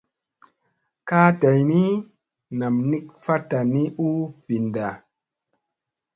Kaa dayni nam nik vaɗta ni u vinda.